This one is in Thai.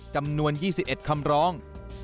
จำนวน๒๑คำร้อง